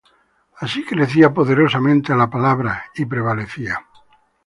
Así crecía poderosamente la palabra del Señor, y prevalecía.